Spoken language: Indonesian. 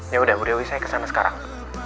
yaudah bu dewi saya kesana sekarang